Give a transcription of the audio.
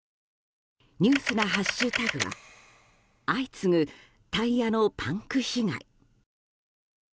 ニュースなハッシュタグは「＃相次ぐタイヤのパンク被害」。